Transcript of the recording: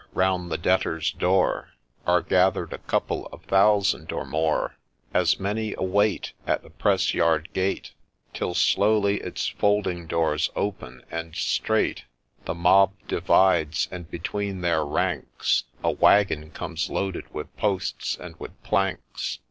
— Round the debtors' door Are gather'd a couple of thousand or more, As many await At the press yard gate, Till slowly its folding doors open, and straight The mob divides, and between their ranks A waggon comes loaded with posts and with planks.